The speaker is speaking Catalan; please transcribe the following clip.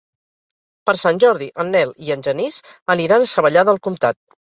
Per Sant Jordi en Nel i en Genís aniran a Savallà del Comtat.